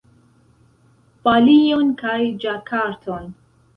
Balion kaj Ĝakarton